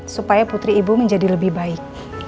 supaya putri ibu menjadi lebih baik